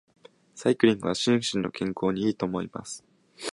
サイクリングは心身の健康に良いと思います。